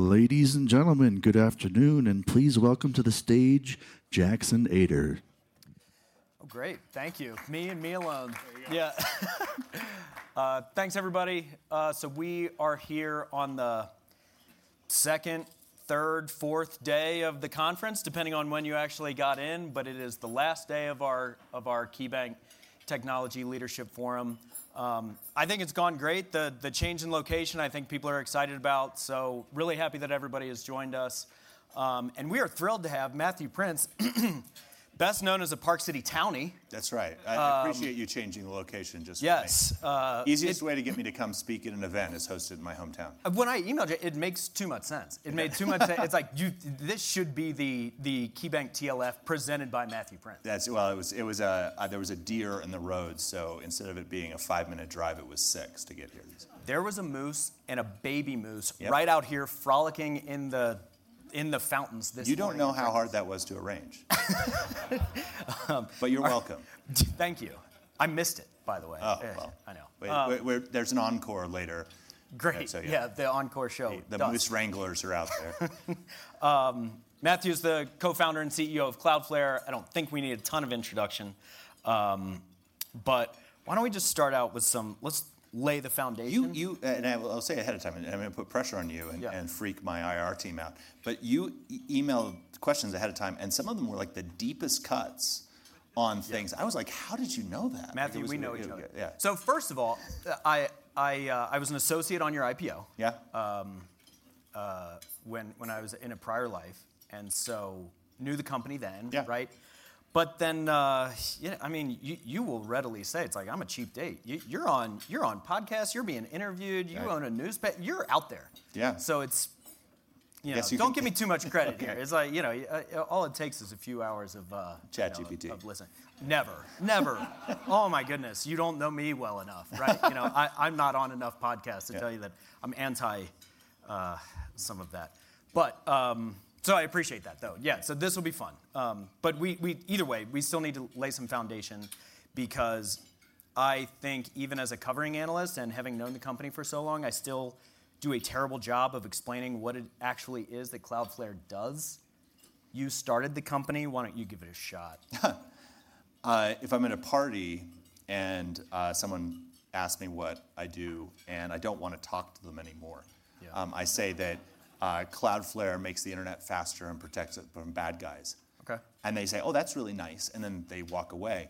Ladies and gentlemen, good afternoon, and please welcome to the stage Jackson Ader. Oh, great. Thank you. Me and me alone. Yeah. Thanks, everybody. We are here on the second, third, fourth day of the conference, depending on when you actually got in, but it is the last day of our KeyBanc Technology Leadership Forum. I think it's gone great. The change in location, I think people are excited about. Really happy that everybody has joined us. We are thrilled to have Matthew Prince, best known as a Park City townie. That's right. I appreciate you changing the location just in case. Easiest way to get me to come speak at an event is host it in my hometown. When I emailed you, it makes too much sense. It made too much sense. It's like this should be the KeyBanc TLF presented by Matthew Prince. There was a deer in the road, so instead of it being a five-minute drive, it was six to get here. There was a moose and a baby moose right out here, frolicking in the fountains. You don't know how hard that was to arrange. You're welcome. Thank you. I missed it, by the way. Oh, I know. There's an encore later. Great. Yeah, the encore show. The moose wranglers are out there. Matthew's the Co-founder and CEO of Cloudflare. I don't think we need a ton of introduction, but why don't we just start out with some, let's lay the foundation. I'll say ahead of time, I'm going to put pressure on you and freak my IR team out. You emailed questions ahead of time, and some of them were like the deepest cuts on things. I was like, how did you know that? Matthew, we know each other. First of all, I was an associate on your IPO. Yeah. When I was in a prior life, and so knew the company then, right? You will readily say it's like, I'm a cheap date. You're on podcasts, you're being interviewed, you own a newspaper, you're out there. Yeah. It's, you know, don't give me too much credit here. It's like, you know, all it takes is a few hours of chat. ChatGPT. Of listening. Oh my goodness, you don't know me well enough, right? You know, I'm not on enough podcasts to tell you that I'm anti some of that. I appreciate that though. This will be fun. Either way, we still need to lay some foundation because I think even as a covering analyst and having known the company for so long, I still do a terrible job of explaining what it actually is that Cloudflare does. You started the company, why don't you give it a shot? If I'm at a party and someone asks me what I do and I don't want to talk to them anymore, I say that Cloudflare makes the internet faster and protects it from bad guys. Okay. They say, oh, that's really nice, and then they walk away.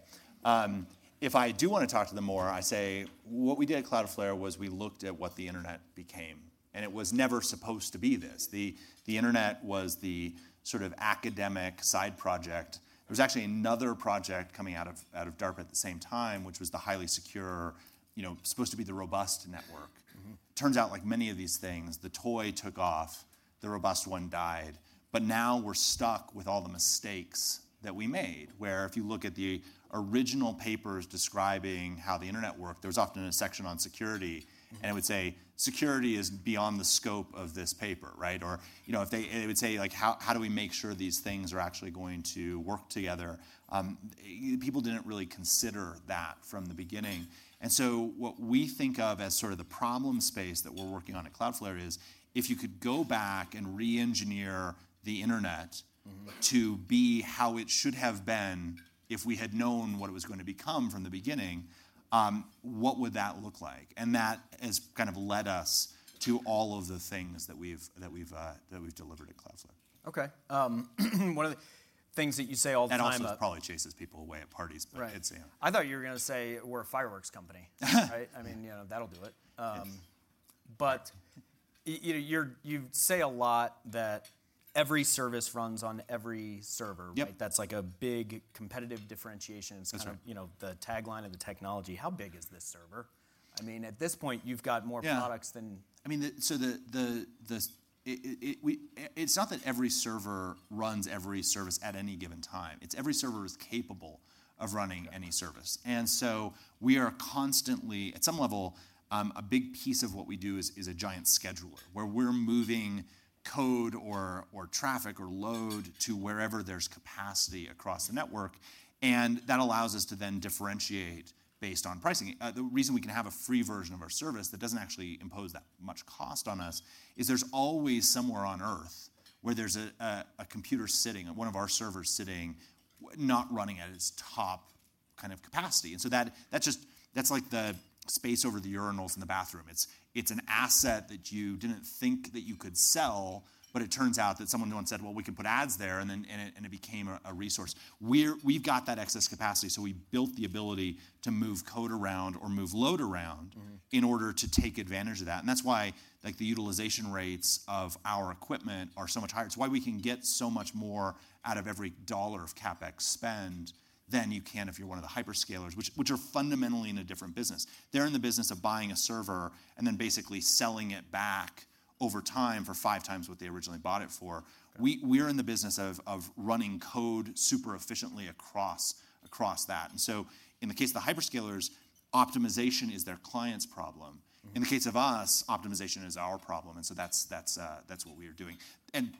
If I do want to talk to them more, I say, what we did at Cloudflare was we looked at what the internet became, and it was never supposed to be this. The internet was the sort of academic side project. There was actually another project coming out of DARPA at the same time, which was the highly secure, you know, supposed to be the robust network. Turns out like many of these things, the toy took off, the robust one died, but now we're stuck with all the mistakes that we made, where if you look at the original papers describing how the internet worked, there was often a section on security, and it would say, security is beyond the scope of this paper, right? Or, you know, they would say like, how do we make sure these things are actually going to work together? People didn't really consider that from the beginning. What we think of as sort of the problem space that we're working on at Cloudflare is if you could go back and re-engineer the internet to be how it should have been if we had known what it was going to become from the beginning, what would that look like? That has kind of led us to all of the things that we've delivered at Cloudflare. Okay, one of the things that you say all the time. I know this probably chases people away at parties, but it's a. I thought you were going to say we're a fireworks company, right? I mean, you know, that'll do it. You say a lot that every service runs on every server, right? That's like a big competitive differentiation. It's kind of, you know, the tagline of the technology. How big is this server? I mean, at this point, you've got more products than. It's not that every server runs every service at any given time. It's every server is capable of running any service. We are constantly, at some level, a big piece of what we do is a giant scheduler, where we're moving code or traffic or load to wherever there's capacity across the network. That allows us to then differentiate based on pricing. The reason we can have a free version of our service that doesn't actually impose that much cost on us is there's always somewhere on Earth where there's a computer sitting, one of our servers sitting, not running at its top kind of capacity. That's like the space over the urinals in the bathroom. It's an asset that you didn't think that you could sell, but it turns out that someone once said, well, we could put ads there, and then it became a resource. We've got that excess capacity, so we built the ability to move code around or move load around in order to take advantage of that. That's why the utilization rates of our equipment are so much higher. It's why we can get so much more out of every dollar of CapEx spend than you can if you're one of the hyperscalers, which are fundamentally in a different business. They're in the business of buying a server and then basically selling it back over time for five times what they originally bought it for. We're in the business of running code super efficiently across that. In the case of the hyperscalers, optimization is their client's problem. In the case of us, optimization is our problem. That's what we are doing.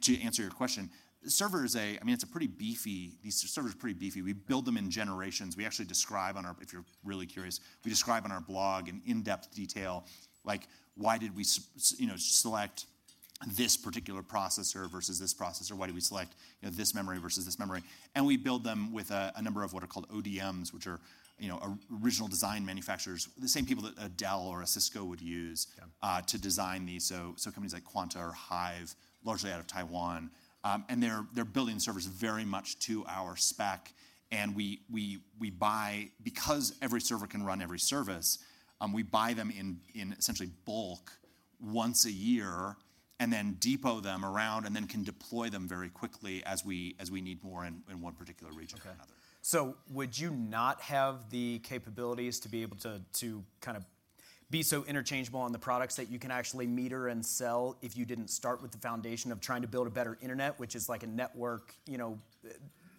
To answer your question, servers, I mean, it's a pretty beefy, these servers are pretty beefy. We build them in generations. We actually describe on our, if you're really curious, we describe on our blog in in-depth detail, like why did we, you know, select this particular processor versus this processor? Why do we select, you know, this memory versus this memory? We build them with a number of what are called ODMs, which are, you know, original design manufacturers, the same people that a Dell or a Cisco would use to design these. Companies like Quanta or Hive, largely out of Taiwan, are building servers very much to our spec. We buy because every server can run every service, we buy them in essentially bulk once a year and then depot them around and then can deploy them very quickly as we need more in one particular region or another. Would you not have the capabilities to be able to be so interchangeable on the products that you can actually meter and sell if you didn't start with the foundation of trying to build a better internet, which is like a network, you know,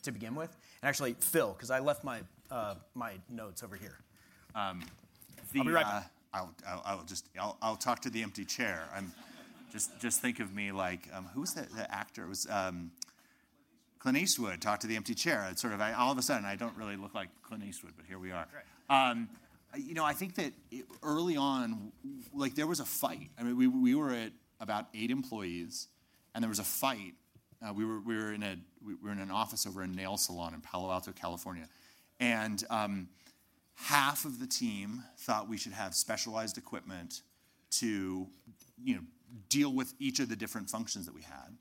to begin with? Actually, Phil, because I left my notes over here. I'll be right back. I'll just talk to the empty chair. Just think of me like, who's the actor? It was Clint Eastwood, talk to the empty chair. All of a sudden, I don't really look like Clint Eastwood, but here we are. I think that early on, there was a fight. We were at about eight employees, and there was a fight. We were in an office over in a nail salon in Palo Alto, California. Half of the team thought we should have specialized equipment to deal with each of the different functions that we had.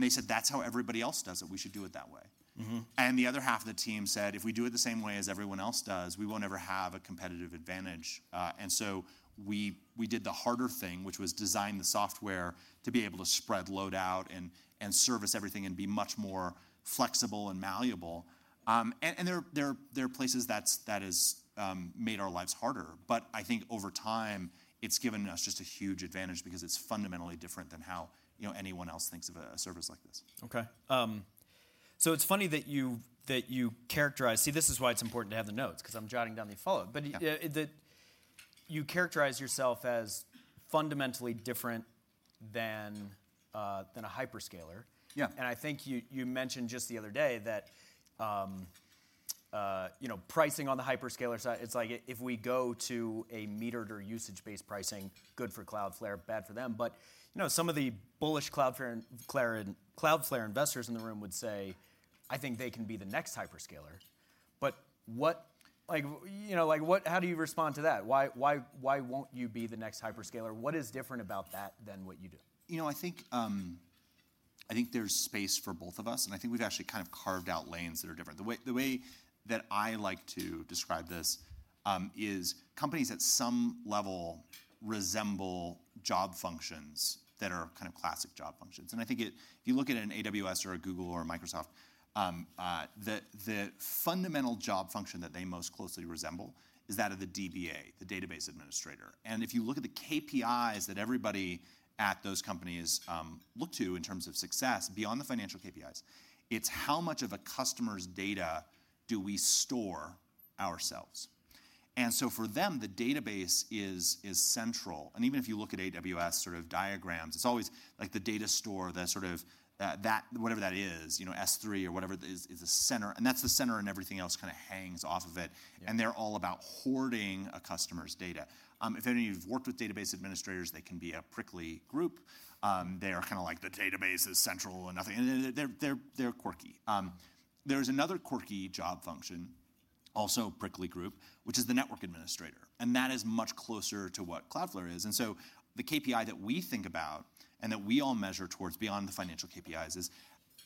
They said that's how everybody else does it, we should do it that way. The other half of the team said if we do it the same way as everyone else does, we won't ever have a competitive advantage. We did the harder thing, which was design the software to be able to spread load out and service everything and be much more flexible and malleable. There are places that have made our lives harder. I think over time, it's given us just a huge advantage because it's fundamentally different than how anyone else thinks of a service like this. Okay. It's funny that you characterize, see, this is why it's important to have the notes, because I'm jotting down the follow-up. You characterize yourself as fundamentally different than a hyperscaler. Yeah. I think you mentioned just the other day that, you know, pricing on the hyperscaler side, it's like if we go to a metered or usage-based pricing, good for Cloudflare, bad for them. Some of the bullish Cloudflare investors in the room would say, I think they can be the next hyperscaler. What, like, you know, like, what, how do you respond to that? Why won't you be the next hyperscaler? What is different about that than what you do? I think there's space for both of us. I think we've actually kind of carved out lanes that are different. The way that I like to describe this is companies at some level resemble job functions that are kind of classic job functions. I think if you look at an AWS or a Google or a Microsoft, the fundamental job function that they most closely resemble is that of the DBA, the database administrator. If you look at the KPIs that everybody at those companies look to in terms of success, beyond the financial KPIs, it's how much of a customer's data do we store ourselves? For them, the database is central. Even if you look at AWS diagrams, it's always like the data store, whatever that is, you know, S3 or whatever is the center. That's the center and everything else kind of hangs off of it. They're all about hoarding a customer's data. If any of you've worked with database administrators, they can be a prickly group. They are kind of like the database is central and nothing. They're quirky. There's another quirky job function, also a prickly group, which is the network administrator. That is much closer to what Cloudflare is. The KPI that we think about and that we all measure towards, beyond the financial KPIs, is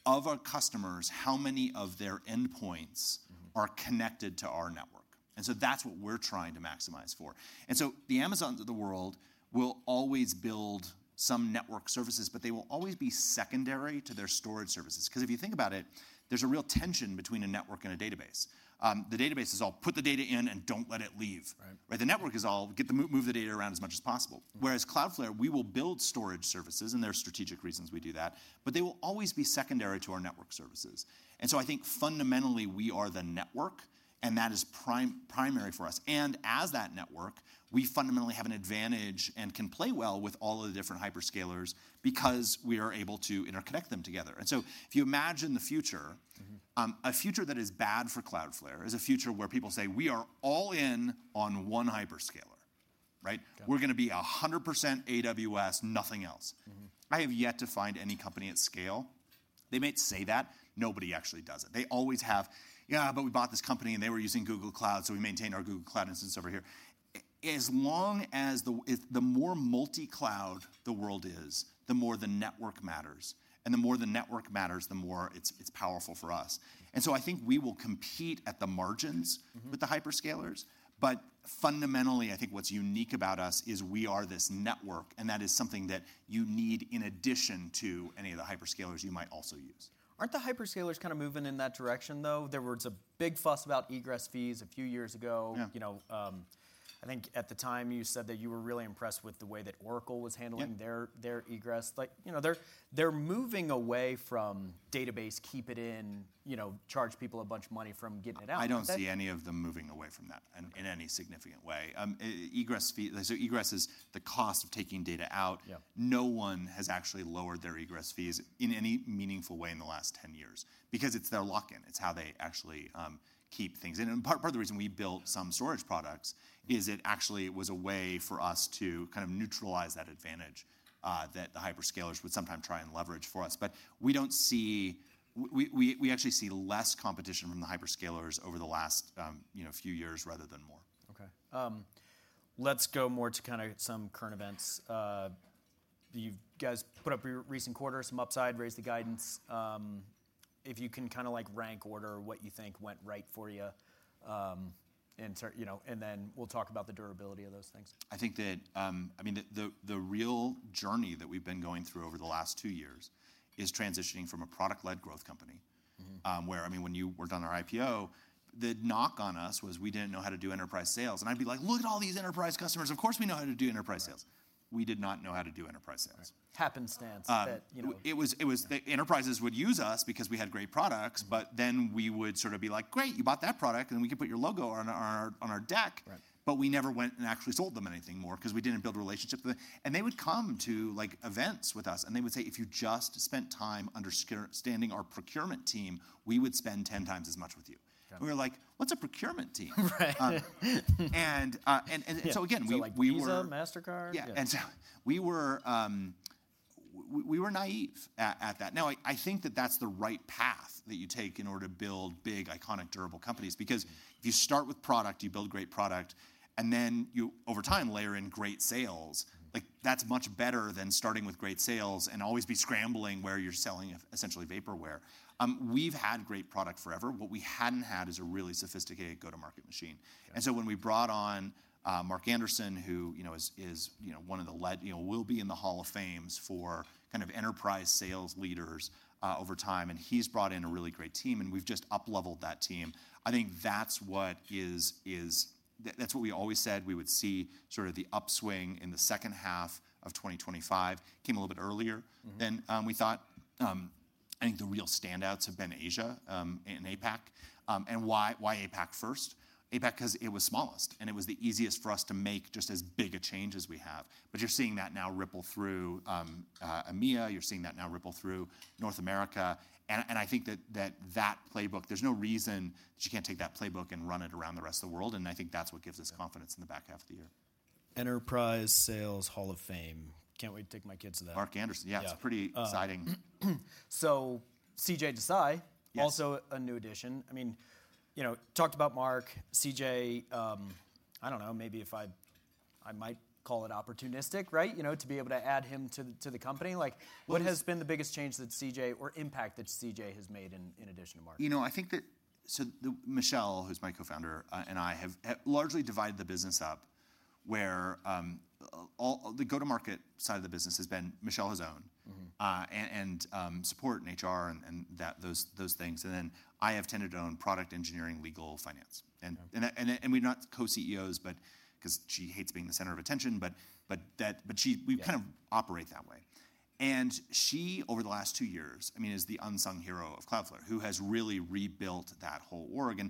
of our customers, how many of their endpoints are connected to our network? That's what we're trying to maximize for. The Amazons of the world will always build some network services, but they will always be secondary to their storage services. If you think about it, there's a real tension between a network and a database. The database is all put the data in and don't let it leave. The network is all move the data around as much as possible. Cloudflare will build storage services and there are strategic reasons we do that. They will always be secondary to our network services. I think fundamentally we are the network and that is primary for us. As that network, we fundamentally have an advantage and can play well with all of the different hyperscalers because we are able to interconnect them together. If you imagine the future, a future that is bad for Cloudflare is a future where people say we are all in on one hyperscaler, right? We're going to be 100% AWS, nothing else. I have yet to find any company at scale. They might say that. Nobody actually does it. They always have, yeah, but we bought this company and they were using Google Cloud, so we maintained our Google Cloud instance over here. As long as the more multi-cloud the world is, the more the network matters. The more the network matters, the more it's powerful for us. I think we will compete at the margins with the hyperscalers. Fundamentally, I think what's unique about us is we are this network and that is something that you need in addition to any of the hyperscalers you might also use. Aren't the hyperscalers kind of moving in that direction though? There was a big fuss about egress fees a few years ago. I think at the time you said that you were really impressed with the way that Oracle was handling their egress. Like, you know, they're moving away from database, keep it in, charge people a bunch of money for getting it out. I don't see any of them moving away from that in any significant way. Egress fees, there's egresses, the cost of taking data out. No one has actually lowered their egress fees in any meaningful way in the last 10 years because it's their lock-in. It's how they actually keep things in. Part of the reason we built some storage products is it actually was a way for us to kind of neutralize that advantage that the hyperscalers would sometimes try and leverage for us. We don't see, we actually see less competition from the hyperscalers over the last few years rather than more. Okay. Let's go more to kind of some current events. You guys put up your recent quarters, some upside, raise the guidance. If you can kind of like rank order what you think went right for you, you know, and then we'll talk about the durability of those things. I think that the real journey that we've been going through over the last two years is transitioning from a product-led growth company where, when you worked on our IPO, the knock on us was we didn't know how to do enterprise sales. I'd be like, look at all these enterprise customers. Of course, we know how to do enterprise sales. We did not know how to do enterprise sales. Happenstance that, you know. It was, the enterprises would use us because we had great products, but then we would sort of be like, great, you bought that product and we can put your logo on our deck. We never went and actually sold them anything more because we didn't build a relationship with them. They would come to events with us and they would say, if you just spent time understanding our procurement team, we would spend 10 times as much with you. We were like, what's a procurement team? Right. We were. Visa? MasterCard? Yeah. We were naive at that. I think that that's the right path that you take in order to build big, iconic, durable companies because if you start with product, you build great product, and then you, over time, layer in great sales. That's much better than starting with great sales and always be scrambling where you're selling essentially vaporware. We've had great product forever. What we hadn't had is a really sophisticated go-to-market machine. When we brought on Mark Anderson, who is one of the, will be in the Hall of Fames for kind of enterprise sales leaders over time, he's brought in a really great team and we've just up-leveled that team. I think that's what we always said we would see, sort of the upswing in the second half of 2025 came a little bit earlier than we thought. The real standouts have been Asia in APAC. Why APAC first? APAC because it was smallest and it was the easiest for us to make just as big a change as we have. You're seeing that now ripple through EMEA. You're seeing that now ripple through North America. I think that playbook, there's no reason you can't take that playbook and run it around the rest of the world. I think that's what gives us confidence in the back half of the year. Enterprise sales Hall of Fame. Can't wait to take my kids to that. Mark Anderson. Yeah, it's pretty exciting. CJ Desai, also a new addition. I mean, you know, talked about Mark, CJ, I don't know, maybe if I might call it opportunistic, right? You know, to be able to add him to the company. What has been the biggest change that CJ or impact that CJ has made in addition to Mark? You know, I think that Michelle, who's my co-founder, and I have largely divided the business up where all the go-to-market side of the business has been Michelle has owned and support and HR and those things. I have tended to own product engineering, legal, finance. We're not co-CEOs, because she hates being the center of attention, but we kind of operate that way. She, over the last two years, is the unsung hero of Cloudflare, who has really rebuilt that whole org.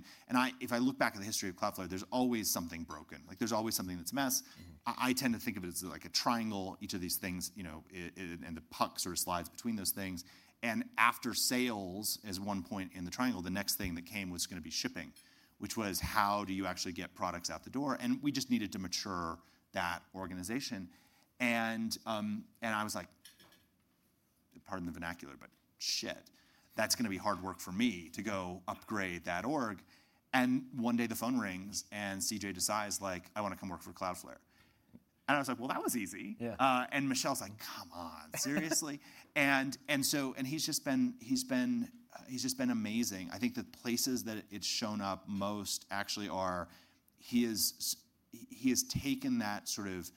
If I look back at the history of Cloudflare, there's always something broken. There's always something that's a mess. I tend to think of it as like a triangle, each of these things, and the puck sort of slides between those things. After sales, as one point in the triangle, the next thing that came was going to be shipping, which was how do you actually get products out the door? We just needed to mature that organization. I was like, pardon the vernacular, but shit, that's going to be hard work for me to go upgrade that org. One day the phone rings and CJ decides, I want to come work for Cloudflare. I was like, well, that was easy. Michelle's like, come on, seriously? He's just been amazing. I think the places that it's shown up most actually are, he has taken that sort of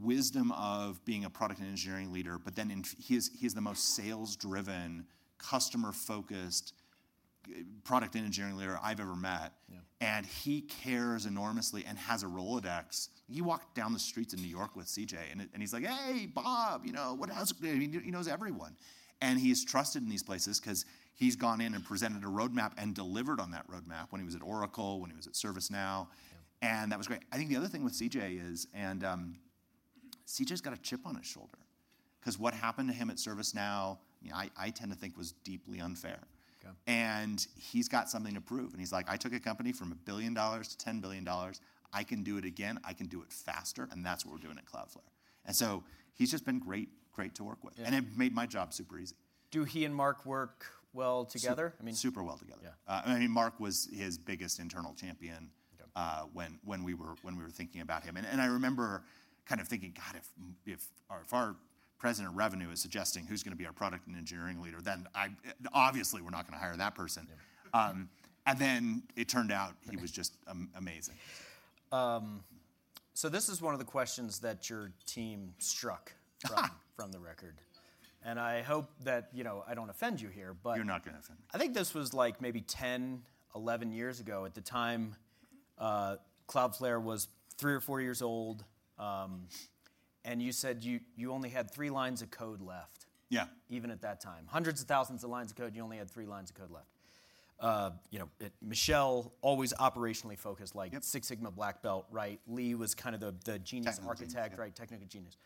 wisdom of being a product and engineering leader, but then he's the most sales-driven, customer-focused product and engineering leader I've ever met. He cares enormously and has a Rolodex. You walk down the streets in New York with CJ and he's like, hey Bob, he knows everyone. He is trusted in these places because he's gone in and presented a roadmap and delivered on that roadmap when he was at Oracle, when he was at ServiceNow. That was great. I think the other thing with CJ is, CJ's got a chip on his shoulder because what happened to him at ServiceNow, I tend to think was deeply unfair. He's got something to prove. He's like, I took a company from $1 billion to $10 billion. I can do it again. I can do it faster. That's what we're doing at Cloudflare. He's just been great to work with. It made my job super easy. Do he and Mark Anderson work well together? I mean, super well together. Mark was his biggest internal champion when we were thinking about him. I remember kind of thinking, God, if our President of Revenue is suggesting who's going to be our product and engineering leader, obviously we're not going to hire that person. It turned out he was just amazing. This is one of the questions that your team struck from the record. I hope that, you know, I don't offend you here, but. You're not going to offend me. I think this was like maybe 10 or 11 years ago. At the time, Cloudflare was three or four years old, and you said you only had three lines of code left. Yeah. Even at that time, hundreds of thousands of lines of code, you only had three lines of code left. Michelle always operationally focused, like Six Sigma Black Belt, right? Lee was kind of the genius architect, technical genius.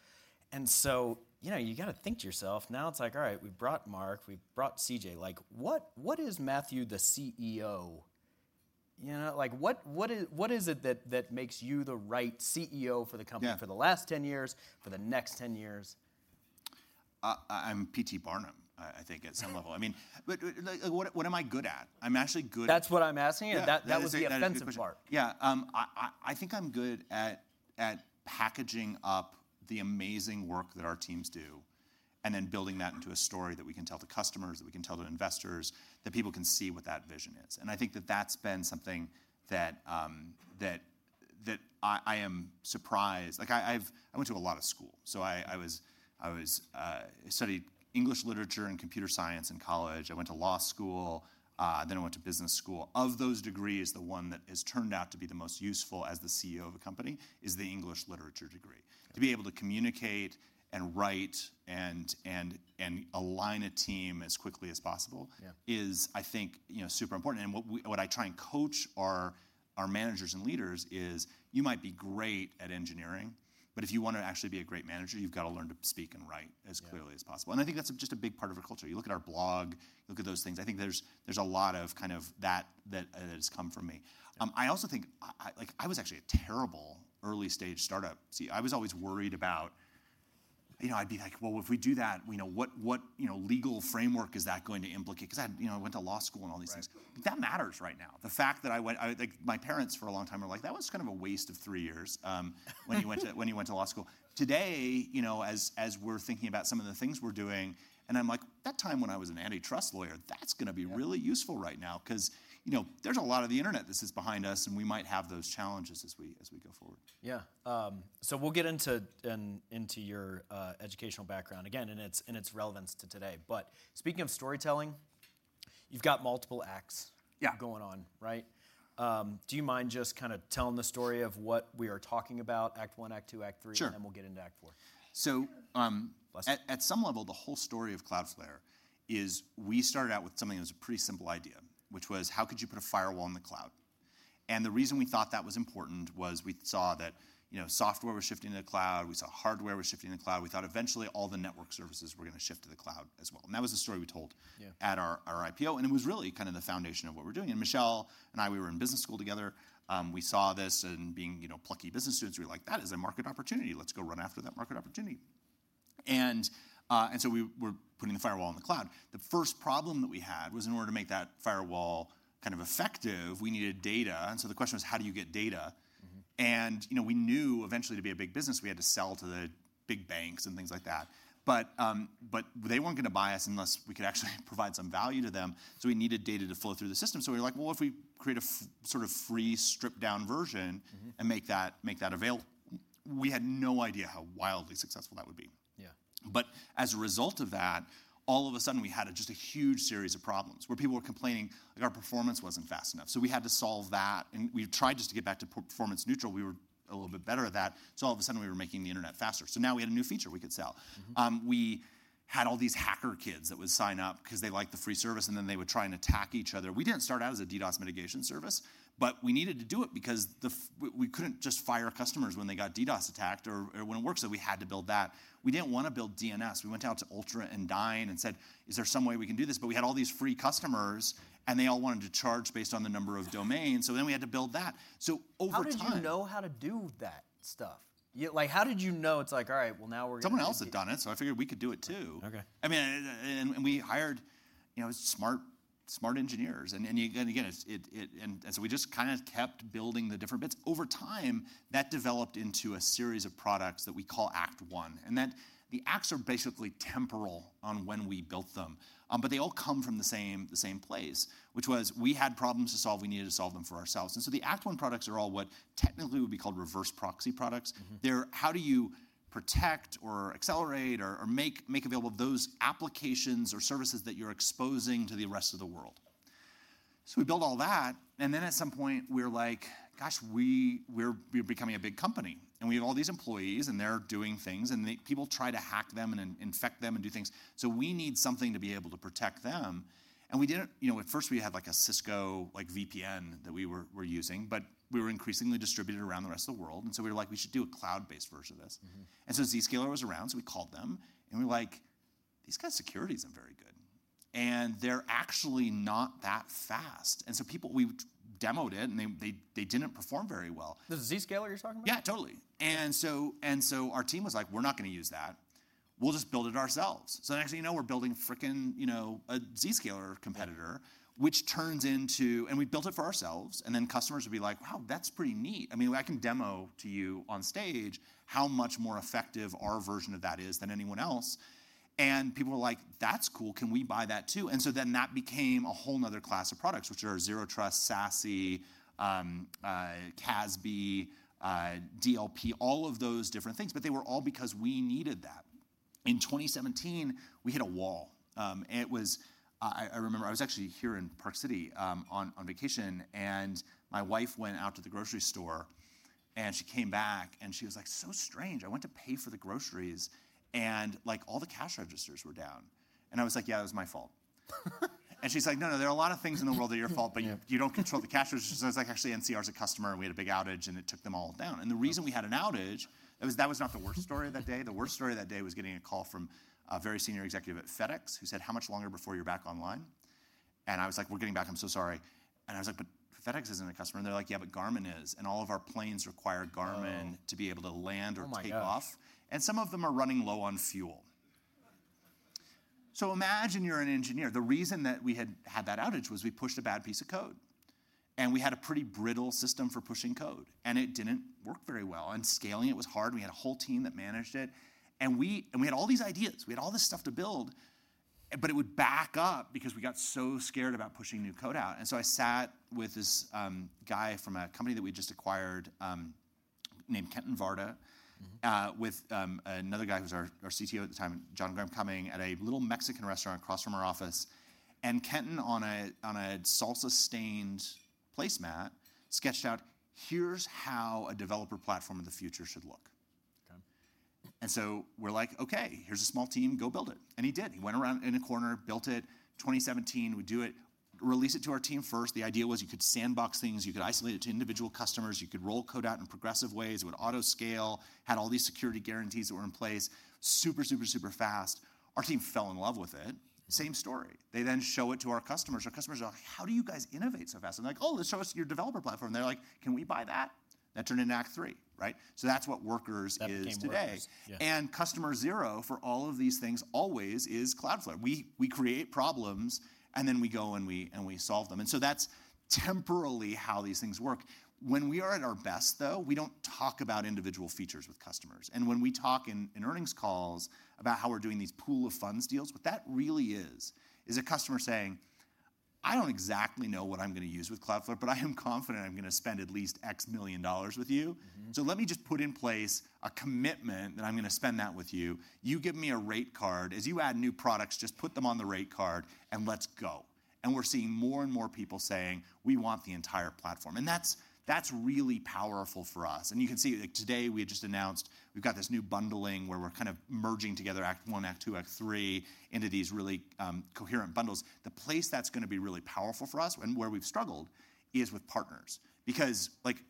You got to think to yourself, now it's like, all right, we've brought Mark, we've brought CJ. What is Matthew, the CEO? What is it that makes you the right CEO for the company for the last 10 years, for the next 10 years? I'm P.T. Barnum, I think at some level. I mean, what am I good at? I'm actually good at. That's what I'm asking you. That was the offensive part. Yeah. I think I'm good at packaging up the amazing work that our teams do and then building that into a story that we can tell the customers, that we can tell the investors, that people can see what that vision is. I think that that's been something that I am surprised. I went to a lot of school. I studied English literature and computer science in college. I went to law school. I went to business school. Of those degrees, the one that has turned out to be the most useful as the CEO of a company is the English literature degree. To be able to communicate and write and align a team as quickly as possible is, I think, you know, super important. What I try and coach our managers and leaders is you might be great at engineering, but if you want to actually be a great manager, you've got to learn to speak and write as clearly as possible. I think that's just a big part of our culture. You look at our blog, you look at those things. I think there's a lot of kind of that that has come from me. I also think, like I was actually a terrible early-stage startup. I was always worried about, you know, I'd be like, well, if we do that, you know, what, you know, legal framework is that going to implicate? Because I, you know, I went to law school and all these things. That matters right now. The fact that I went, like my parents for a long time were like, that was kind of a waste of three years when you went to law school. Today, you know, as we're thinking about some of the things we're doing, and I'm like, that time when I was an antitrust lawyer, that's going to be really useful right now because, you know, there's a lot of the internet that sits behind us and we might have those challenges as we go forward. Yeah. We'll get into your educational background again and its relevance to today. Speaking of storytelling, you've got multiple acts going on, right? Do you mind just kind of telling the story of what we are talking about? Act I, Act II, Act III, and we'll get into Act IV. Sure. At some level, the whole story of Cloudflare is we started out with something that was a pretty simple idea, which was how could you put a firewall in the cloud? The reason we thought that was important was we saw that software was shifting to the cloud. We saw hardware was shifting to the cloud. We thought eventually all the network services were going to shift to the cloud as well. That was the story we told at our IPO. It was really kind of the foundation of what we're doing. Michelle and I, we were in business school together. We saw this and being, you know, plucky business students, we were like, that is a market opportunity. Let's go run after that market opportunity. We were putting the firewall in the cloud. The first problem that we had was in order to make that firewall kind of effective, we needed data. The question was, how do you get data? We knew eventually to be a big business, we had to sell to the big banks and things like that. They weren't going to buy us unless we could actually provide some value to them. We needed data to flow through the system. We were like, if we create a sort of free stripped-down version and make that available, we had no idea how wildly successful that would be. Yeah. As a result of that, all of a sudden we had just a huge series of problems where people were complaining like our performance wasn't fast enough. We had to solve that, and we tried just to get back to performance neutral. We were a little bit better at that. All of a sudden we were making the internet faster. Now we had a new feature we could sell. We had all these hacker kids that would sign up because they liked the free service and then they would try and attack each other. We didn't start out as a DDoS mitigation service, but we needed to do it because we couldn't just fire customers when they got DDoS attacked or it wouldn't work. We had to build that. We didn't want to build DNS. We went out to Ultra and Dyn and said, is there some way we can do this? We had all these free customers and they all wanted to charge based on the number of domains. We had to build that. How did you know how to do that stuff? How did you know it's like, all right, now we're going to. Someone else had done it, so I figured we could do it too. Okay. I mean, we hired, you know, smart engineers. It's, and we just kind of kept building the different bits. Over time, that developed into a series of products that we call Act I. The acts are basically temporal on when we built them. They all come from the same place, which was we had problems to solve. We needed to solve them for ourselves. The Act I products are all what technically would be called Reverse Proxy products. They're how do you protect or accelerate or make available those applications or services that you're exposing to the rest of the world. We build all that. At some point, we're like, gosh, we're becoming a big company. We have all these employees and they're doing things. People try to hack them and infect them and do things. We need something to be able to protect them. We didn't, you know, at first we had like a Cisco-like VPN that we were using, but we were increasingly distributed around the rest of the world. We were like, we should do a cloud-based version of this. Zscaler was around. We called them and we were like, these guys' security isn't very good. They're actually not that fast. People, we demoed it and they didn't perform very well. The Zscaler you're talking about? Yeah, totally. Our team was like, we're not going to use that. We'll just build it ourselves. Next thing you know, we're building, you know, a Zscaler competitor, which turns into, and we built it for ourselves. Customers would be like, wow, that's pretty neat. I mean, I can demo to you on stage how much more effective our version of that is than anyone else. People were like, that's cool. Can we buy that too? That became a whole other class of products, which are Zero Trust, SASE, CASB, DLP, all of those different things. They were all because we needed that. In 2017, we hit a wall. I remember I was actually here in Park City on vacation, and my wife went out to the grocery store. She came back, and she was like, so strange. I went to pay for the groceries, and all the cash registers were down. I was like, yeah, it was my fault. She's like, no, no, there are a lot of things in the world that are your fault, but you don't control the cash registers. I was like, actually, NCR is a customer, and we had a big outage, and it took them all down. The reason we had an outage, that was not the worst story of that day. The worst story of that day was getting a call from a very senior executive at FedEx, who said, how much longer before you're back online? I was like, we're getting back. I'm so sorry. I was like, but FedEx isn't a customer. They're like, yeah, but Garmin is. All of our planes required Garmin to be able to land or take off. Some of them are running low on fuel. Imagine you're an engineer. The reason that we had that outage was we pushed a bad piece of code. We had a pretty brittle system for pushing code, and it didn't work very well. Scaling it was hard. We had a whole team that managed it. We had all these ideas. We had all this stuff to build, but it would back up because we got so scared about pushing new code out. I sat with this guy from a company that we just acquired, named Kenton Varda, with another guy who was our CTO at the time, John Graham-Cumming, at a little Mexican restaurant across from our office. Kenton, on a salsa-stained placemat, sketched out, here's how a developer platform in the future should look. We're like, okay, here's a small team, go build it. He did. He went around in a corner, built it. In 2017, we do it, release it to our team first. The idea was you could sandbox things, you could isolate it to individual customers, you could roll code out in progressive ways, it would auto-scale, had all these security guarantees that were in place, super, super, super fast. Our team fell in love with it. Same story. They then show it to our customers. Our customers are like, how do you guys innovate so fast? I'm like, oh, let's show us your developer platform. They're like, can we buy that? That turned into Act III, right? That's what Workers is today. Customer zero for all of these things always is Cloudflare. We create problems, and then we go and we solve them. That's temporally how these things work. When we are at our best, though, we don't talk about individual features with customers. When we talk in earnings calls about how we're doing these Pool of Funds Deals, what that really is, is a customer saying, I don't exactly know what I'm going to use with Cloudflare, but I am confident I'm going to spend at least $X million with you. Let me just put in place a commitment that I'm going to spend that with you. You give me a rate card. As you add new products, just put them on the rate card and let's go. We're seeing more and more people saying, we want the entire platform. That's really powerful for us. You can see like today we had just announced we've got this new bundling where we're kind of merging together Act I, Act II, Act III into these really coherent bundles. The place that's going to be really powerful for us and where we've struggled is with partners.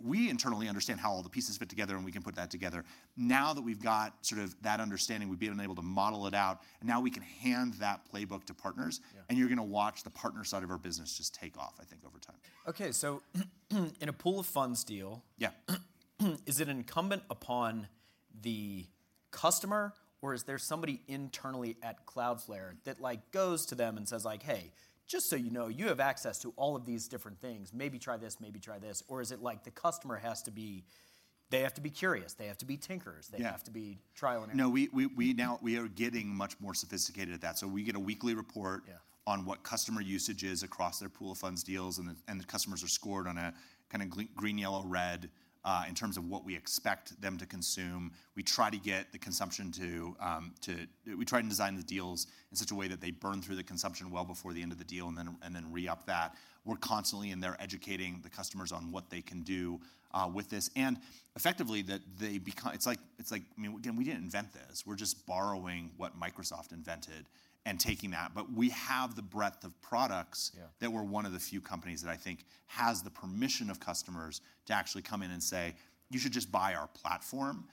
We internally understand how all the pieces fit together and we can put that together. Now that we've got sort of that understanding, we've been able to model it out. Now we can hand that playbook to partners. You're going to watch the partner side of our business just take off, I think, over time. Okay. In a pool of funds deal, is it incumbent upon the customer or is there somebody internally at Cloudflare that goes to them and says, hey, just so you know, you have access to all of these different things? Maybe try this, maybe try this. Or is it like the customer has to be, they have to be curious, they have to be tinkers, they have to be trial and error? No, we now are getting much more sophisticated at that. We get a weekly report on what customer usage is across their Pool of Funds Deals. The customers are scored on a kind of green, yellow, red in terms of what we expect them to consume. We try to get the consumption to, we try and design the deals in such a way that they burn through the consumption well before the end of the deal and then re-up that. We're constantly in there educating the customers on what they can do with this. Effectively, it's like, I mean, again, we didn't invent this. We're just borrowing what Microsoft invented and taking that. We have the breadth of products that we're one of the few companies that I think has the permission of customers to actually come in and say, you should just buy our platform.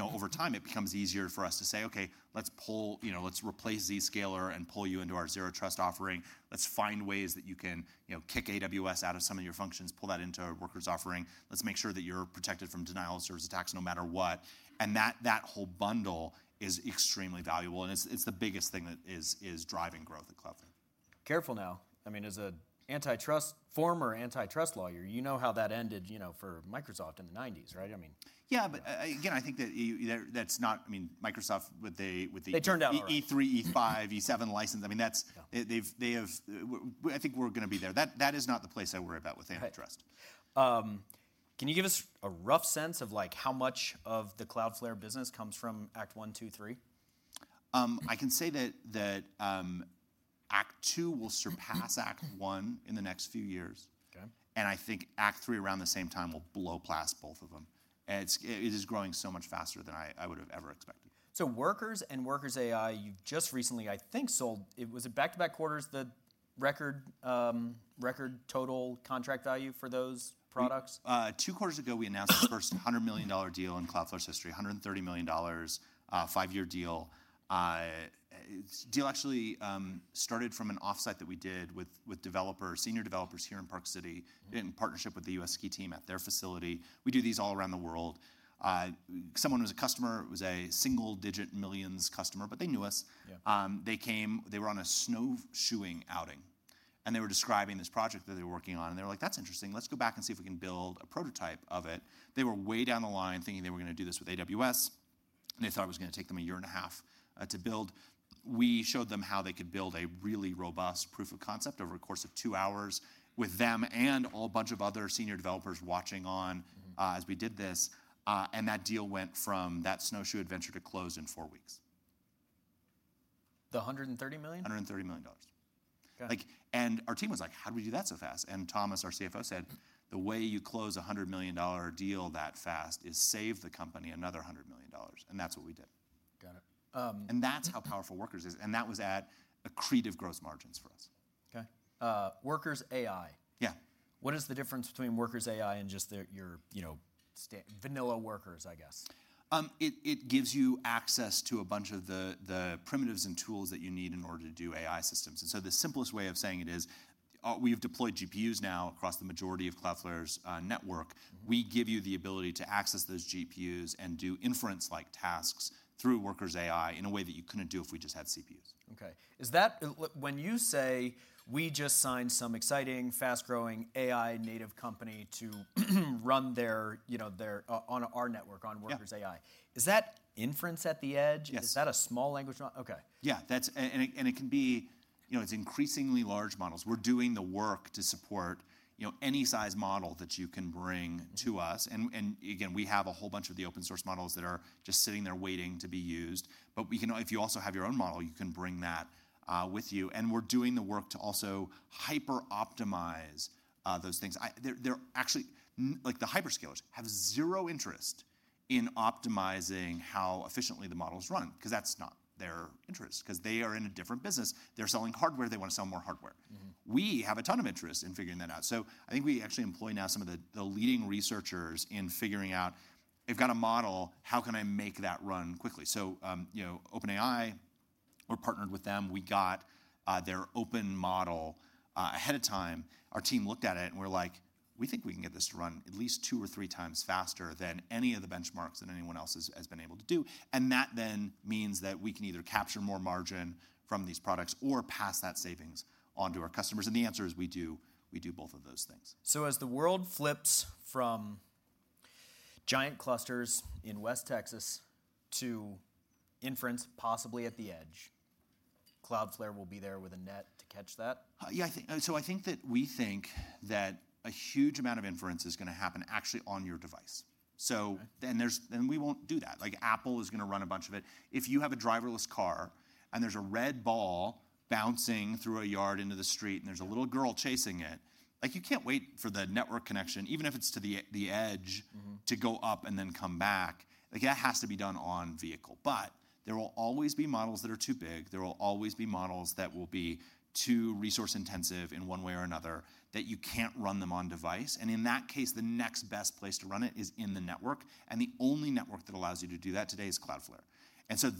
Over time, it becomes easier for us to say, okay, let's pull, you know, let's replace Zscaler and pull you into our Zero Trust offering. Let's find ways that you can, you know, kick AWS out of some of your functions, pull that into our Workers offering. Let's make sure that you're protected from denial of service attacks no matter what. That whole bundle is extremely valuable. It's the biggest thing that is driving growth at Cloudflare. Careful now. I mean, as a former antitrust lawyer, you know how that ended for Microsoft in the 1990s, right? I mean. Yeah, I think that's not, I mean, Microsoft with the E3, E5, E7 license. I mean, they have, I think we're going to be there. That is not the place I worry about with antitrust. Can you give us a rough sense of how much of the Cloudflare business comes from Act I, II, III? I can say that Act II will surpass Act I in the next few years. I think Act III around the same time will blow past both of them, and it is growing so much faster than I would have ever expected. Workers and Workers AI, you just recently, I think, sold, was it back-to-back quarters, the record total contract value for those products? Two quarters ago, we announced the first $100 million deal in Cloudflare's history, $130 million, a five-year deal. The deal actually started from an offsite that we did with developers, Senior Developers here in Park City in partnership with the US Ski Team at their facility. We do these all around the world. Someone was a customer, it was a single-digit millions customer, but they knew us. They came, they were on a snowshoeing outing. They were describing this project that they were working on. They were like, that's interesting. Let's go back and see if we can build a prototype of it. They were way down the line thinking they were going to do this with AWS. They thought it was going to take them a year and a half to build. We showed them how they could build a really robust proof of concept over a course of two hours with them and a whole bunch of other Senior Developers watching on as we did this. That deal went from that snowshoe adventure to close in four weeks. The $130 million? $130 million. Got it. Our team was like, how do we do that so fast? Thomas, our CFO, said the way you close a $100 million deal that fast is save the company another $100 million. That's what we did. Got it. That's how powerful Workers is. That was at creative gross margins for us. Okay. Workers AI. Yeah. What is the difference between Workers AI and just your, you know, Vanilla Workers, I guess? It gives you access to a bunch of the primitives and tools that you need in order to do AI systems. The simplest way of saying it is, we've deployed GPUs now across the majority of Cloudflare's network. We give you the ability to access those GPUs and do inference-like tasks through Workers AI in a way that you couldn't do if we just had CPUs. Okay. Is that when you say we just signed some exciting, fast-growing AI-native company to run their, you know, on our network, on Workers AI, is that Inference at the Edge? Yeah. Is that a small language model? Okay. Yeah. It can be, you know, it's increasingly large models. We're doing the work to support, you know, any size model that you can bring to us. We have a whole bunch of the open-source models that are just sitting there waiting to be used. If you also have your own model, you can bring that with you. We're doing the work to also hyper-optimize those things. They're actually, like the hyperscalers have zero interest in optimizing how efficiently the models run because that's not their interest because they are in a different business. They're selling hardware. They want to sell more hardware. We have a ton of interest in figuring that out. I think we actually employ now some of the leading researchers in figuring out, I've got a model, how can I make that run quickly? You know, OpenAI, we're partnered with them. We got their open model ahead of time. Our team looked at it and we're like, we think we can get this to run at least two or three times faster than any of the benchmarks that anyone else has been able to do. That then means that we can either capture more margin from these products or pass that savings onto our customers. The answer is we do, we do both of those things. As the world flips from giant clusters in West Texas to inference possibly at the edge, Cloudflare will be there with a net to catch that? I think that we think that a huge amount of inference is going to happen actually on your device. There's, and we won't do that. Apple is going to run a bunch of it. If you have a driverless car and there's a red ball bouncing through a yard into the street and there's a little girl chasing it, you can't wait for the network connection, even if it's to the edge, to go up and then come back. That has to be done on vehicle. There will always be models that are too big. There will always be models that will be too resource-intensive in one way or another that you can't run them on device. In that case, the next best place to run it is in the network. The only network that allows you to do that today is Cloudflare.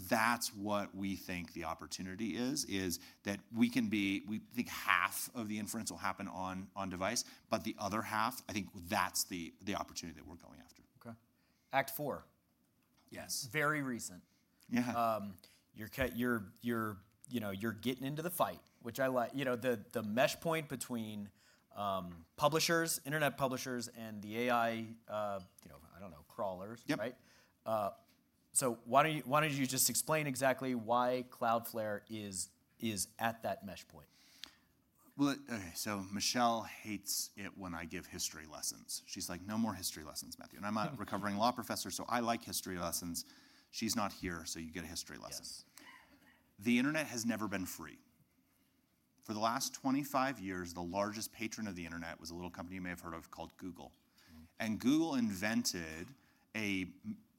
That's what we think the opportunity is, that we can be, we think half of the inference will happen on device, but the other half, I think that's the opportunity that we're going after. Okay. Act IV. Yes. Very recent. Yeah. You're getting into the fight, which I like, the mesh point between internet publishers and the AI crawlers, right? Why don't you just explain exactly why Cloudflare is at that mesh point? Okay, Michelle hates it when I give history lessons. She's like, no more history lessons, Matthew. I'm a recovering law professor, so I like history lessons. She's not here, so you get a history lesson. Yes. The internet has never been free. For the last 25 years, the largest patron of the internet was a little company you may have heard of called Google. Google invented an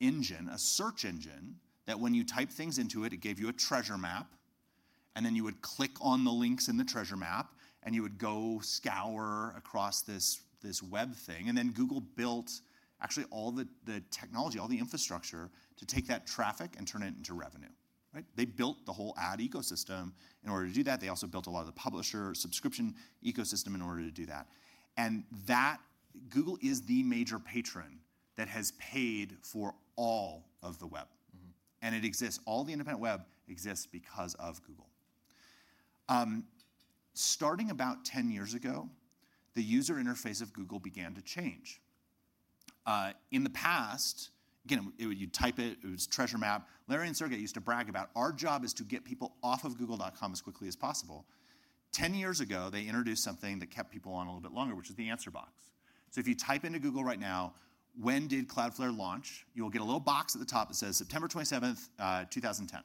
engine, a search engine, that when you type things into it, it gave you a treasure map. You would click on the links in the treasure map, and you would go scour across this web thing. Google built actually all the technology, all the infrastructure to take that traffic and turn it into revenue. They built the whole ad ecosystem in order to do that. They also built a lot of the publisher subscription ecosystem in order to do that. Google is the major patron that has paid for all of the web. It exists. All the internet web exists because of Google. Starting about 10 years ago, the user interface of Google began to change. In the past, you'd type it, it was treasure map. Larry and Sergey used to brag about our job is to get people off of google.com as quickly as possible. About 10 years ago, they introduced something that kept people on a little bit longer, which is the answer box. If you type into Google right now, when did Cloudflare launch? You'll get a little box at the top that says September 27th, 2010.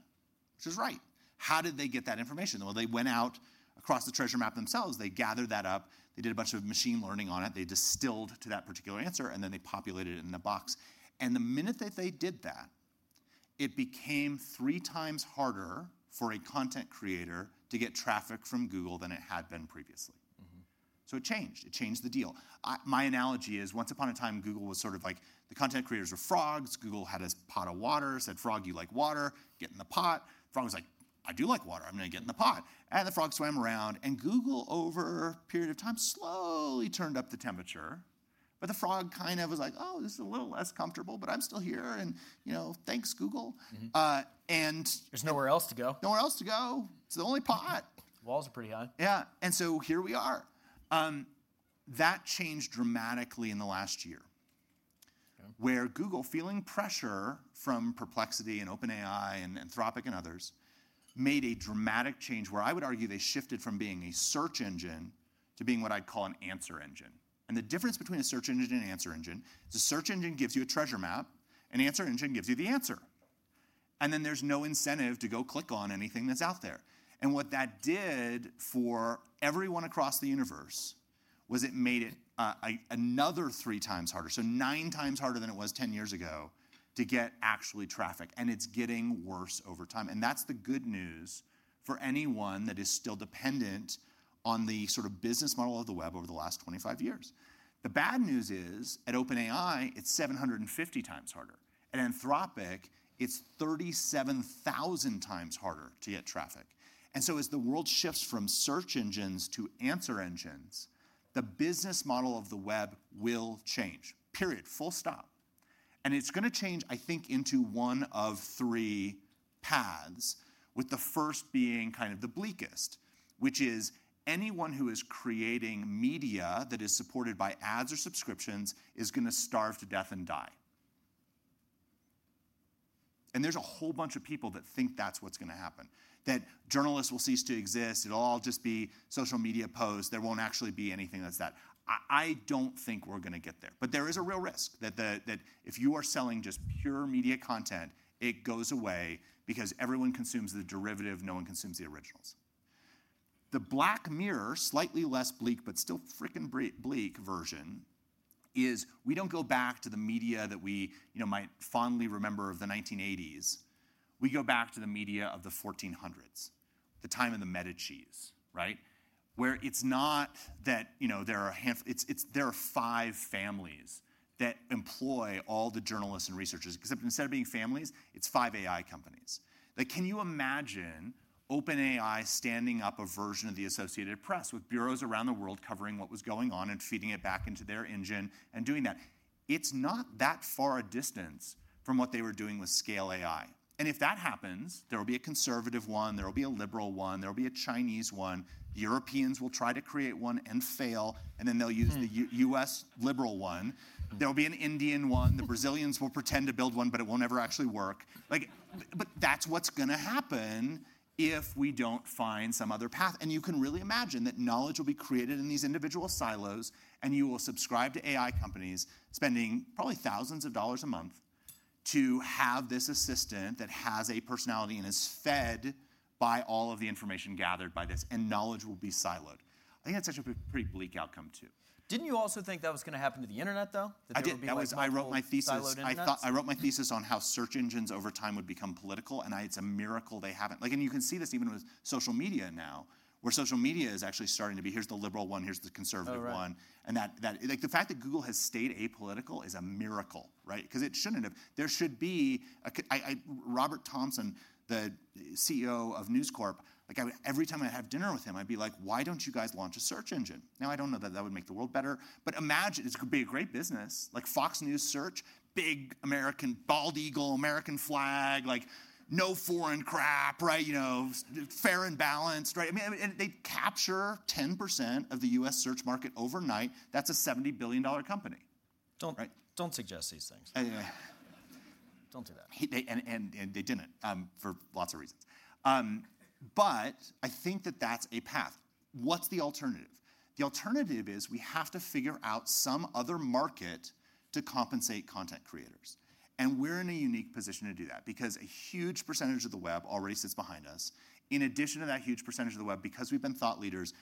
Which is right. How did they get that information? They went out across the treasure map themselves. They gathered that up. They did a bunch of machine learning on it. They distilled to that particular answer, and then they populated it in the box. The minute that they did that, it became three times harder for a content creator to get traffic from Google than it had been previously. It changed. It changed the deal. My analogy is once upon a time, Google was sort of like the content creators are frogs. Google had his pot of water, said, "Frog, you like water? Get in the pot." Frog was like, "I do like water. I'm going to get in the pot." The frog swam around. Google over a period of time slowly turned up the temperature. The frog kind of was like, "Oh, this is a little less comfortable, but I'm still here. You know, thanks Google. There's nowhere else to go. Nowhere else to go. It's the only pot. Walls are pretty high. Yeah. Here we are. That changed dramatically in the last year, where Google, feeling pressure from Perplexity and OpenAI and Anthropic and others, made a dramatic change where I would argue they shifted from being a search engine to being what I'd call an answer engine. The difference between a search engine and an answer engine is a search engine gives you a treasure map. An answer engine gives you the answer, and then there's no incentive to go click on anything that's out there. What that did for everyone across the universe was it made it another three times harder, so nine times harder than it was 10 years ago to get actual traffic. It's getting worse over time. That's the good news for anyone that is still dependent on the sort of business model of the web over the last 25 years. The bad news is at OpenAI, it's 750 times harder. At Anthropic, it's 37,000 times harder to get traffic. As the world shifts from search engines to answer engines, the business model of the web will change. Period. Full stop. It's going to change, I think, into one of three paths, with the first being kind of the bleakest, which is anyone who is creating media that is supported by ads or subscriptions is going to starve to death and die. There are a whole bunch of people that think that's what's going to happen, that journalists will cease to exist. It'll all just be social media posts. There won't actually be anything that's that. I don't think we're going to get there, but there is a real risk that if you are selling just pure media content, it goes away because everyone consumes the derivative. No one consumes the originals. The Black Mirror, slightly less bleak but still freaking bleak version, is we don't go back to the media that we, you know, might fondly remember of the 1980s. We go back to the media of the 1400s, the time in the Medici's, right? It's not that there are five families that employ all the journalists and researchers, except instead of being families, it's five AI companies. Can you imagine OpenAI standing up a version of the Associated Press with bureaus around the world covering what was going on and feeding it back into their engine and doing that? It's not that far a distance from what they were doing with ScaleAI. If that happens, there will be a conservative one. There will be a liberal one. There will be a Chinese one. Europeans will try to create one and fail. They'll use the U.S. liberal one. There will be an Indian one. The Brazilians will pretend to build one, but it will never actually work. That's what's going to happen if we don't find some other path. You can really imagine that knowledge will be created in these individual silos. You will subscribe to AI companies, spending probably thousands of dollars a month to have this assistant that has a personality and is fed by all of the information gathered by this. Knowledge will be siloed. I think that's such a pretty bleak outcome too. Didn't you also think that was going to happen to the internet, though? I didn't think that was my thesis. I thought I wrote my thesis on how search engines over time would become political. It's a miracle they haven't. You can see this even with social media now, where social media is actually starting to be, here's the liberal one, here's the conservative one. The fact that Google has stayed apolitical is a miracle, right? It shouldn't have. There should be a, Robert Thomson, the CEO of News Corp, every time I have dinner with him, I'd be like, why don't you guys launch a search engine? I don't know that that would make the world better. Imagine this could be a great business. Fox News Search, big American bald eagle, American flag, no foreign crap, right? You know, fair and balanced, right? They capture 10% of the U.S. search market overnight. That's a $70 billion company. Don't suggest these things. Don't do that. They didn't for lots of reasons. I think that that's a path. What's the alternative? The alternative is we have to figure out some other market to compensate content creators. We're in a unique position to do that because a huge percentage of the web already sits behind us. In addition to that huge percentage of the web, because we've been thought leaders,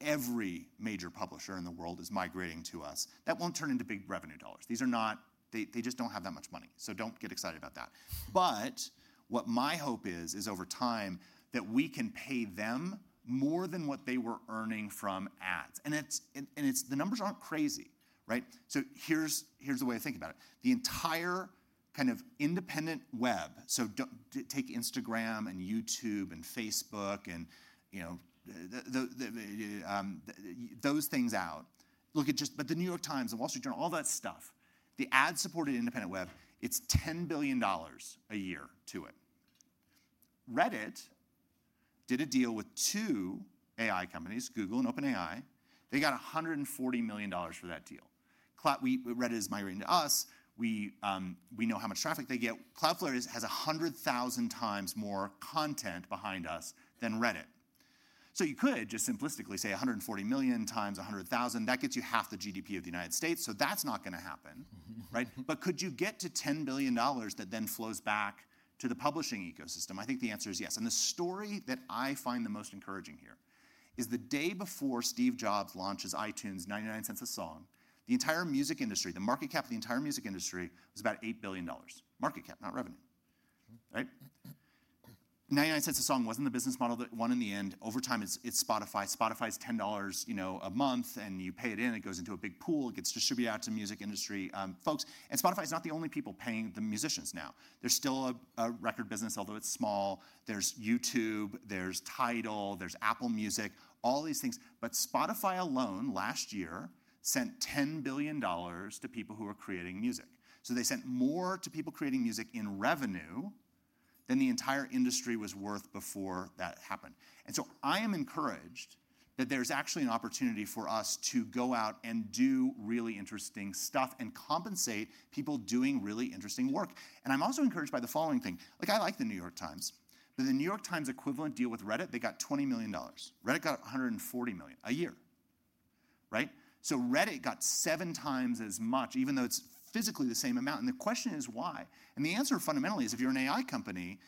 every major publisher in the world is migrating to us. That won't turn into big revenue dollars. These are not, they just don't have that much money. Do not get excited about that. My hope is, over time, that we can pay them more than what they were earning from ads. The numbers aren't crazy, right? Here's the way to think about it. The entire kind of independent web, so take Instagram and YouTube and Facebook and those things out. Look at just the New York Times, the Wall Street Journal, all that stuff, the ad-supported independent web, it's $10 billion a year to it. Reddit did a deal with two AI companies, Google and OpenAI. They got $140 million for that deal. Reddit is migrating to us. We know how much traffic they get. Cloudflare has 100,000 times more content behind us than Reddit. You could just simplistically say $140 million times 100,000. That gets you half the GDP of the United States. That's not going to happen, right? Could you get to $10 billion that then flows back to the publishing ecosystem? I think the answer is yes. The story that I find the most encouraging here is the day before Steve Jobs launches iTunes, $0.99 a song, the entire music industry, the market cap of the entire music industry was about $8 billion. Market cap, not revenue, right? $0.99 a song wasn't the business model that won in the end. Over time, it's Spotify. Spotify's $10 a month, and you pay it in, it goes into a big pool. It gets distributed out to music industry folks. Spotify is not the only people paying the musicians now. There's still a record business, although it's small. There's YouTube, there's Tidal, there's Apple Music, all these things. Spotify alone last year sent $10 billion to people who are creating music. They sent more to people creating music in revenue than the entire industry was worth before that happened. I am encouraged that there's actually an opportunity for us to go out and do really interesting stuff and compensate people doing really interesting work. I'm also encouraged by the following thing. I like The New York Times, but the New York Times equivalent deal with Reddit, they got $20 million. Reddit got $140 million a year, right? Reddit got seven times as much, even though it's physically the same amount. The question is why? The answer fundamentally is if you're an AI company,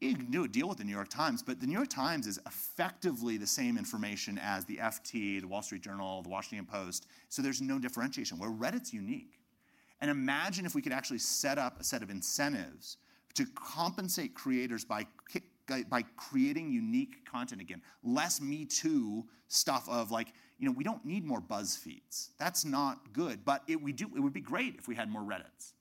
you can do a deal with The New York Times, but The New York Times is effectively the same information as the FT, The Wall Street Journal, The Washington Post. There's no differentiation. Reddit's unique. Imagine if we could actually set up a set of incentives to compensate creators by creating unique content again. Less Me Too stuff, you know, we don't need more BuzzFeeds. That's not good, but it would be great if we had more Reddits.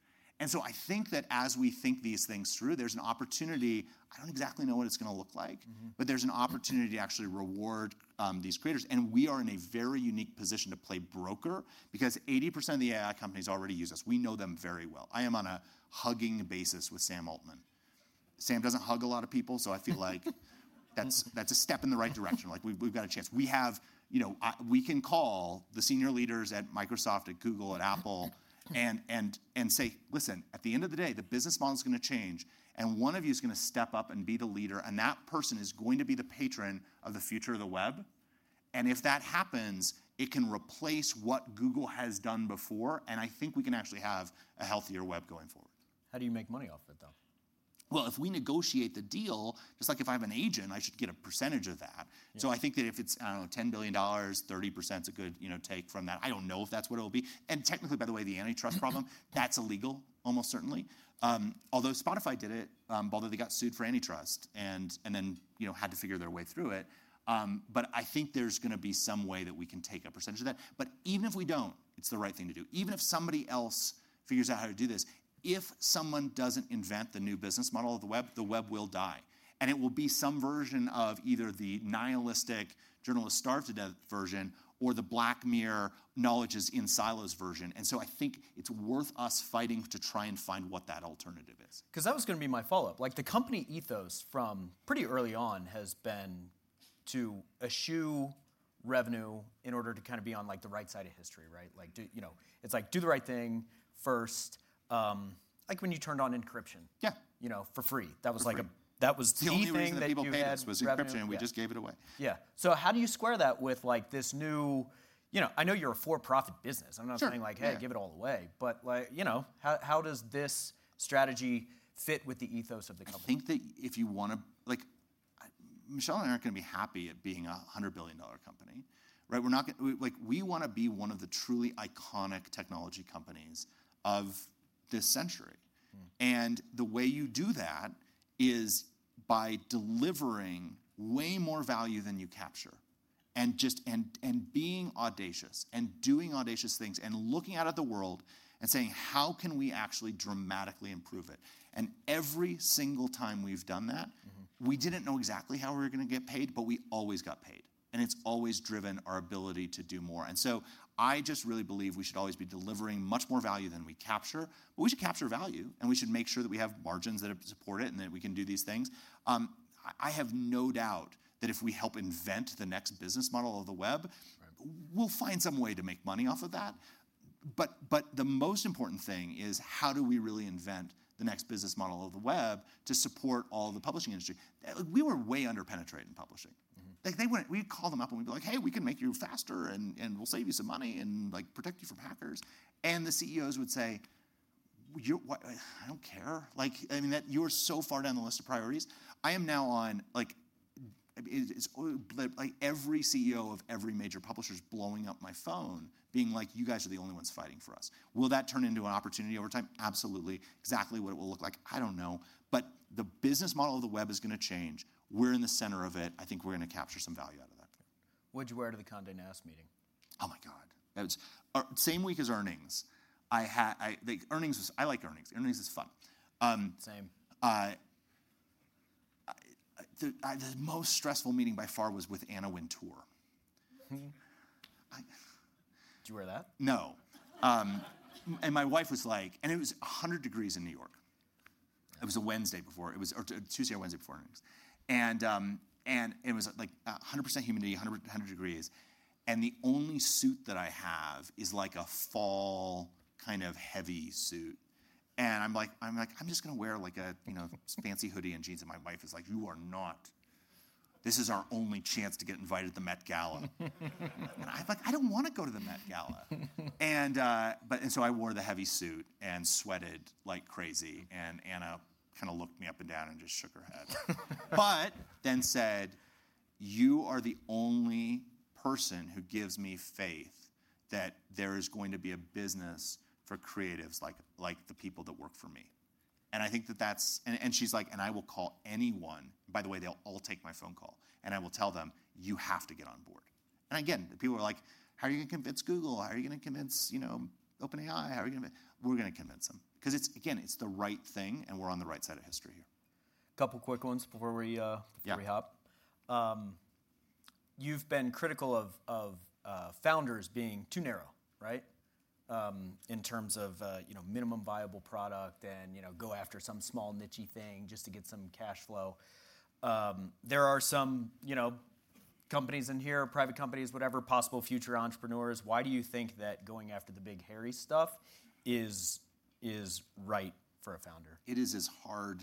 I think that as we think these things through, there's an opportunity. I don't exactly know what it's going to look like, but there's an opportunity to actually reward these creators. We are in a very unique position to play broker because 80% of the AI companies already use us. We know them very well. I am on a hugging basis with Sam Altman. Sam doesn't hug a lot of people, so I feel like that's a step in the right direction. We've got a chance. We can call the senior leaders at Microsoft, at Google, at Apple, and say, listen, at the end of the day, the business model is going to change. One of you is going to step up and be the leader. That person is going to be the patron of the future of the web. If that happens, it can replace what Google has done before. I think we can actually have a healthier web going forward. How do you make money off it, though? If we negotiate the deal, just like if I have an agent, I should get a percentage of that. I think that if it's, I don't know, $10 billion, 30% is a good, you know, take from that. I don't know if that's what it'll be. Technically, by the way, the antitrust problem, that's illegal, almost certainly. Although Spotify did it, although they got sued for antitrust and then, you know, had to figure their way through it. I think there's going to be some way that we can take a percentage of that. Even if we don't, it's the right thing to do. Even if somebody else figures out how to do this, if someone doesn't invent the new business model of the web, the web will die. It will be some version of either the nihilistic journalist starved to death version or the Black Mirror knowledge is in Silos version. I think it's worth us fighting to try and find what that alternative is. Because that was going to be my follow-up. The company Ethos from pretty early on has been to eschew revenue in order to kind of be on the right side of history, right? It's like do the right thing first, like when you turned on encryption. Yeah. You know, for free. That was the thing that people had. Encryption, and we just gave it away. Yeah, how do you square that with this new, you know, I know you're a for-profit business. I'm not saying, hey, give it all away, but, you know, how does this strategy fit with the ethos of the company? I think that if you want to, Michelle and I are not going to be happy at being a $100 billion company, right? We are not going to, we want to be one of the truly iconic technology companies of this century. The way you do that is by delivering way more value than you capture, and being audacious and doing audacious things and looking out at the world and saying, how can we actually dramatically improve it? Every single time we've done that, we did not know exactly how we were going to get paid, but we always got paid. It has always driven our ability to do more. I just really believe we should always be delivering much more value than we capture, but we should capture value. We should make sure that we have margins that support it and that we can do these things. I have no doubt that if we help invent the next business model of the web, we will find some way to make money off of that. The most important thing is how do we really invent the next business model of the web to support all the publishing industry? We were way underpenetrated in publishing. We would call them up and we would be like, hey, we can make you faster and we will save you some money and protect you from hackers. The CEOs would say, I do not care. You are so far down the list of priorities. I am now on, it is like every CEO of every major publisher is blowing up my phone being like, you guys are the only ones fighting for us. Will that turn into an opportunity over time? Absolutely. Exactly what it will look like, I do not know. The business model of the web is going to change. We are in the center of it. I think we are going to capture some value out of that. What did you wear to the Condé Nast meeting? Oh my God. That was the same week as earnings. I like earnings. Earnings is fun. Same. The most stressful meeting by far was with Anna Wintour. Did you wear that? No. My wife was like, it was 100 degrees in New York. It was a Tuesday or Wednesday before earnings. It was 100% humidity, 100 degrees. The only suit that I have is a fall, kind of heavy suit. I'm just going to wear a fancy hoodie and jeans. My wife is like, you are not. This is our only chance to get invited to the Met Gala. I don't want to go to the Met Gala. I wore the heavy suit and sweated like crazy. Anna kind of looked me up and down and just shook her head, but then said, you are the only person who gives me faith that there is going to be a business for creatives like the people that work for me. I think that's, she's like, I will call anyone, by the way, they'll all take my phone call. I will tell them, you have to get on board. The people are like, how are you going to convince Google? How are you going to convince OpenAI? How are you going to convince? We're going to convince them. It's the right thing and we're on the right side of history here. A couple of quick ones before we rehop. You've been critical of founders being too narrow, right? In terms of, you know, minimum viable product and, you know, go after some small niche thing just to get some cash flow. There are some companies in here, private companies, whatever, possible future entrepreneurs. Why do you think that going after the big hairy stuff is right for a founder? It is as hard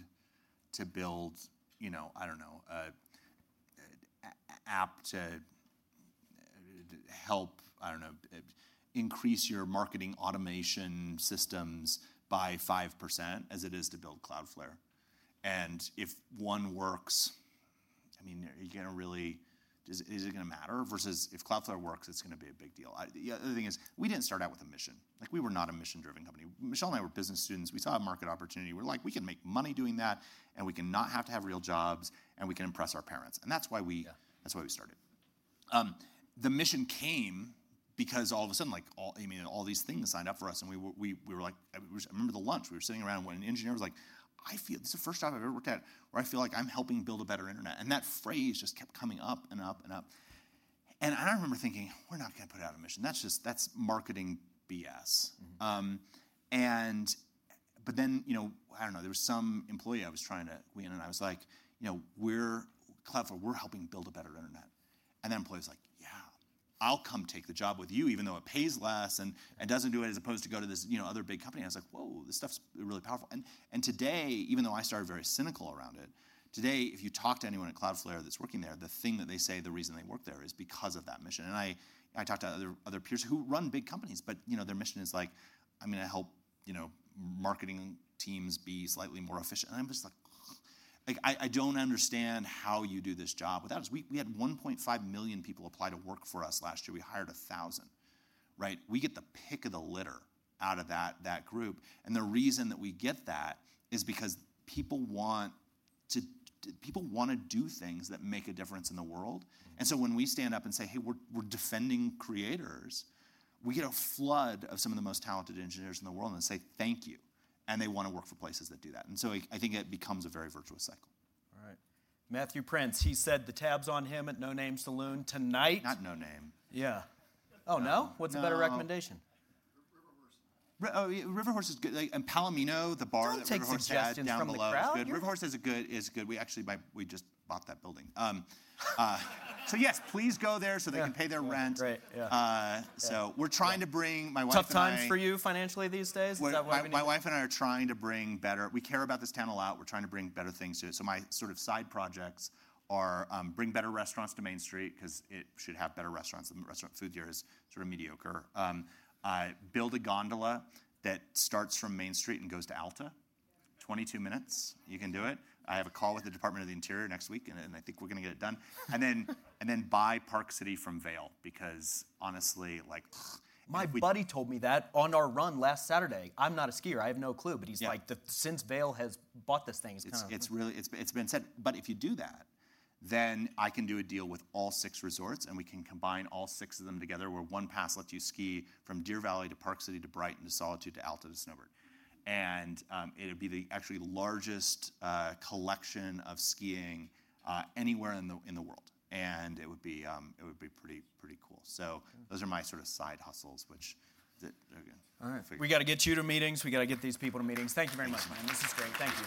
to build, you know, I don't know, an app to help, I don't know, increase your marketing automation systems by 5% as it is to build Cloudflare. If one works, I mean, you can't really, is it going to matter versus if Cloudflare works, it's going to be a big deal. The other thing is we didn't start out with a mission. We were not a mission-driven company. Michelle and I were business students. We saw a market opportunity. We're like, we can make money doing that. We cannot have to have real jobs. We can impress our parents. That's why we started. The mission came because all of a sudden, all these things signed up for us. I remember the lunch. We were sitting around when an engineer was like, I feel this is the first job I've ever worked at where I feel like I'm helping build a better internet. That phrase just kept coming up and up and up. I remember thinking, we're not going to put out a mission. That's just, that's marketing BS. Then, you know, I don't know, there was some employee I was trying to, and I was like, you know, we're Cloudflare, we're helping build a better internet. That employee was like, yeah, I'll come take the job with you, even though it pays less and doesn't do it as opposed to go to this other big company. I was like, whoa, this stuff's really powerful. Today, even though I started very cynical around it, today, if you talk to anyone at Cloudflare that's working there, the thing that they say, the reason they work there is because of that mission. I talk to other peers who run big companies, but, you know, their mission is like, I'm going to help, you know, marketing teams be slightly more efficient. I'm just like, I don't understand how you do this job without us. We had 1.5 million people apply to work for us last year. We hired 1,000, right? We get the pick of the litter out of that group. The reason that we get that is because people want to, people want to do things that make a difference in the world. When we stand up and say, hey, we're defending creators, we get a flood of some of the most talented engineers in the world and say, thank you. They want to work for places that do that. I think it becomes a very virtuous cycle. Right. Matthew Prince, he said the tab's on him at No Name Saloon tonight. Not No Name. Yeah. Oh no, what's a better recommendation? River Horse is good. Palomino, the bar that we're going to have tomorrow, River Horse is good. We actually just bought that building. Yes, please go there so they can pay their rent. Great. Yeah. We are trying to bring my wife and I... Tough times for you financially these days. My wife and I are trying to bring better, we care about this town a lot. We're trying to bring better things to it. My sort of side projects are bring better restaurants to Main Street because it should have better restaurants. The restaurant food here is sort of mediocre. Build a gondola that starts from Main Street and goes to Alta. 22 minutes. You can do it. I have a call with the Department of the Interior next week, and I think we're going to get it done. Then buy Park City from Vail because honestly, like... My buddy told me that on our run last Saturday. I'm not a skier. I have no clue. He's like, since Vail has bought this thing, it's not... It's really, it's been said. If you do that, then I can do a deal with all six resorts, and we can combine all six of them together where one pass lets you ski from Deer Valley to Park City to Brighton to Solitude to Alta to Snowbird. It would be the actually largest collection of skiing anywhere in the world. It would be pretty, pretty cool. Those are my sort of side hustles, which... All right. We got to get you to meetings. We got to get these people to meetings. Thank you very much, man. This is great. Thank you.